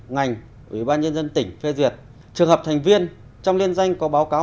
ngành ủy ban nhân dân tỉnh phê duyệt trường hợp thành viên trong liên danh có báo cáo